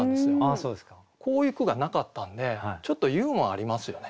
こういう句がなかったんでちょっとユーモアありますよね。